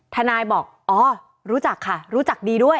ทนายบอกอ๋อรู้จักค่ะรู้จักดีด้วย